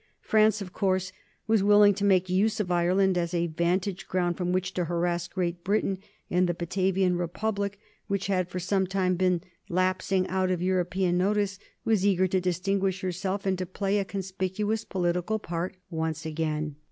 France, of course, was willing to make use of Ireland as a vantage ground from which to harass Great Britain, and the Batavian Republic, which had for some time been lapsing out of European notice, was eager to distinguish herself and to play a conspicuous political part once again.